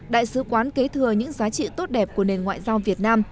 đại sứ quán kế thừa những giá trị tốt đẹp của nền ngoại giao việt nam